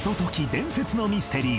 伝説のミステリー』